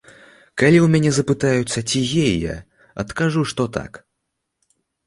Калі ў мяне запытаюцца, ці гей я, адкажу, што так.